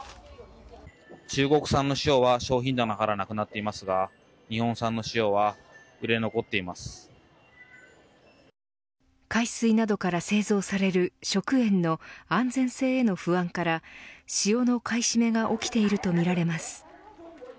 中国産の塩は商品棚からなくなっていますが海水などから製造される食塩の安全性への不安から塩の買い占めが起きているとみられます。